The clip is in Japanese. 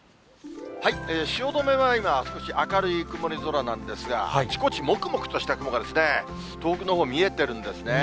汐留は今、少し明るい曇り空なんですが、あちこちもくもくとした雲がですね、遠くのほう、見えてるんですね。